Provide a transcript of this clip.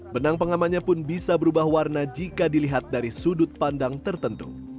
benang pengamannya pun bisa berubah warna jika dilihat dari sudut pandang tertentu